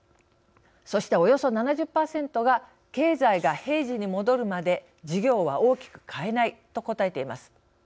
そしておよそ７０％が経済が平時に戻るまで事業は大きく変えないと答えています。